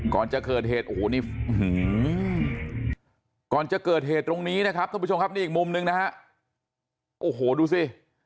ก่อนจะเกิดเหตุโอ้โหก็จะเกิดเหตุตรงนี้นะครับนุบชมครับนี่มุมนึงนะโอ้โหดูซิ